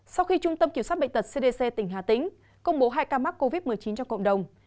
sau khi trung tâm kiểm soát bệnh tật cdc tỉnh hà tĩnh công bố hai ca mắc covid một mươi chín trong cộng đồng